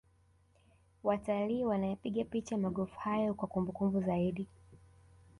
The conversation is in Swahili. watalii wanayapiga picha magofu hayo kwa kumbukumbu zaidi